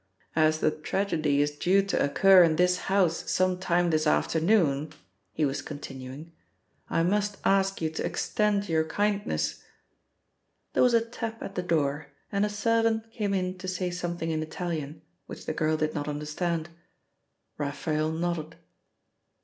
"As the tragedy is due to occur in this house some time this afternoon," he was continuing, "I must ask you to extend your kindness " There was a tap at the door, and a servant came in to say something in Italian, which the girl did not understand. Raphael nodded.